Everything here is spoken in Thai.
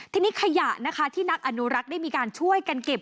ทีนี้ขยะนะคะที่นักอนุรักษ์ได้มีการช่วยกันเก็บ